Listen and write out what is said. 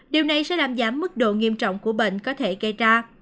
điều này sẽ làm giảm mức độ nghiêm trọng của bệnh có thể gây ra